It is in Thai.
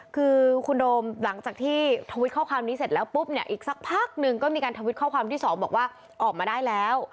คือคุณโดมหลังจากที่ทวิตข้อความนี้เสร็จแล้วปุ๊บเนี่ยอีกสักพักนึงก็มีการทวิตข้อความที่สองบอกว่าออกมาได้แล้ว